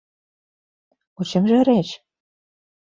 У чым жа рэч?